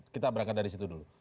kita berangkat dari situ dulu